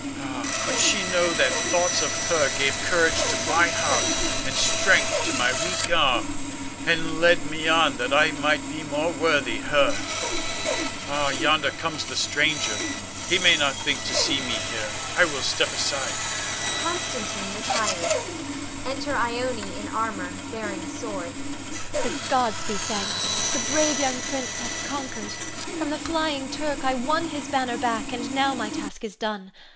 Ah, could she know that thoughts of her gave courage to my heart, and strength to my weak arm, and led me on that I might be more worthy her! Ah, yonder comes the stranger; he may not think to see me here. I will step aside. [Constantine retires. Enter Ione in armor, bearing sword. Ione. The gods be thanked! the brave young prince hath conquered. From the flying Turk I won his banner back, and now my task is done.